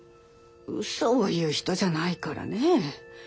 うそを言う人じゃないからね。